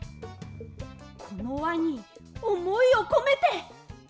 このわにおもいをこめて。